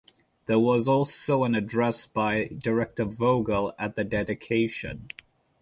There was also an address by Director Vogel at the dedication.